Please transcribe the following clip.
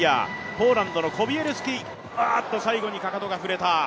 ポーランドのコビエルスキ、最後にかかとが触れた。